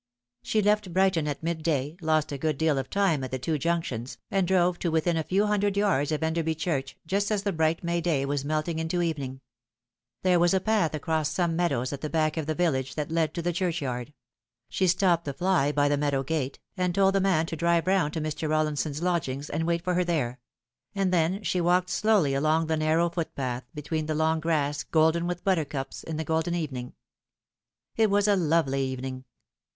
She left Brighton at midday, lost a good deal of time at the two junctions, and drove to within a few hundred yards of Enderby Church just as the bright May day was melting into evening. There was a path across some meadows at the back of the village that led to the churchyard. She stopped the fly by the meadow gate, and told the man to drive round to Mr. Rollin Bon's lodgings, and wait for her there ; and then she walked slowly along the narrow footpath, between the long grass, golden with buttercups in the golden evening. 310 The Fatal Three. It was a lovely evening.